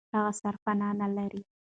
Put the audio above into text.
هغه سرپنا نه لري.